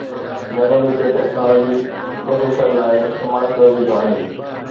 Nanometer technology processors لاء استعمال ڪيو ويندو آهي